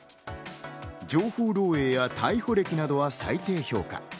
情報漏えいや逮捕歴などは最低評価。